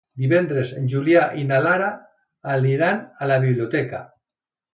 Divendres en Julià i na Lara aniran a la biblioteca.